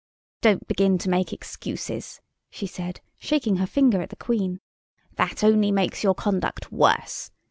"Don't begin to make excuses," she said, shaking her finger at the Queen. "That only makes your conduct worse.